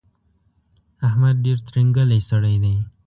احمد ډېر ترینګلی سړی دی.